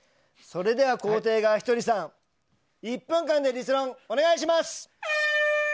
それでは肯定側、ひとりさん１分間で立論、お願いします。